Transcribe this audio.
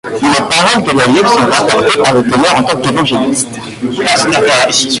Les paroles de la Bible sont rapportées par le ténor en tant qu'Évangéliste.